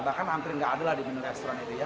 bahkan hampir nggak ada di menu restoran itu ya